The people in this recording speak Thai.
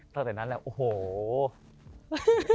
ตั้งแต่นั้นแหละโอ้โห